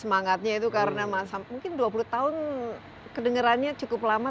semangatnya itu karena mungkin dua puluh tahun kedengerannya cukup lama